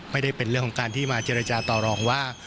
ไม่ได้เป็นเรื่องของการที่มาเจรจาต่อรองว่า